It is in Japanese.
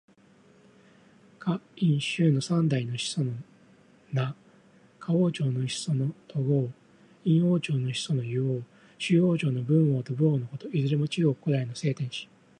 夏、殷、周の三代の始祖の名。夏王朝の始祖の禹王。殷王朝の始祖の湯王。周王朝の文王と武王のこと。いずれも中国古代の聖天子。